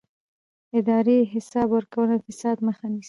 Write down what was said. اداري حساب ورکونه د فساد مخه نیسي